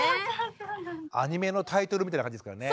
アニメのタイトルみたいな感じですからね。